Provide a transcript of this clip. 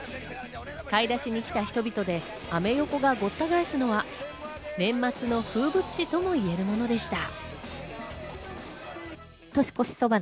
買い出しに来た人々でアメ横がごった返すのが年末の風物詩ともいえるものでした。